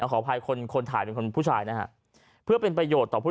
ขออภัยคนคนถ่ายเป็นคนผู้ชายนะฮะเพื่อเป็นประโยชน์ต่อผู้